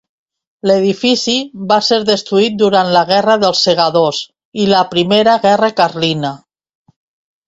L’edifici va ser destruït durant la guerra dels segadors i la primera guerra carlina.